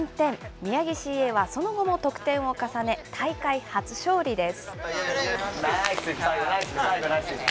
宮城ＣＡはその後も得点を重ね、大会初勝利です。